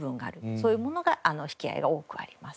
そういうものが引き合いが多くあります。